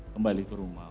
kembali ke rumah